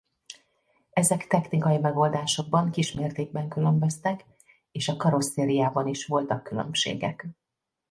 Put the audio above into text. Ezek technikai megoldásokban kismértékben különböztek és a karosszériában is voltak különbségek.